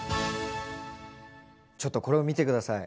ちょっとこれを見て下さい。